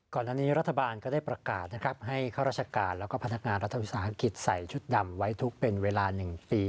ก่อนหน้านี้รัฐบาลก็ได้ประกาศนะครับให้ข้าราชการแล้วก็พนักงานรัฐวิสาหกิจใส่ชุดดำไว้ทุกข์เป็นเวลา๑ปี